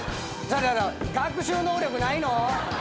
学習能力ないの？